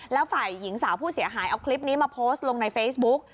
แล้วฝ่ายหญิงสาวผู้เสียหายเอาคลิปนี้มาโพสต์ลงในเฟซบุ๊ก